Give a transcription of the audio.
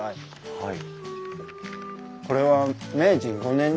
はい。